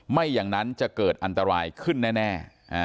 ไม่อย่างนั้นจะเกิดอันตรายขึ้นแน่